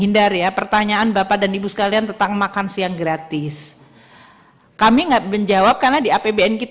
di dua ribu dua puluh tiga kan belum bapak